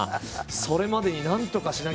それまでになんとかしなきゃ。